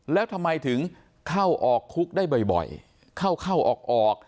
แล้วทำไมถึงเข้าออกคุกได้บ่อยเข้าเข้าออกออก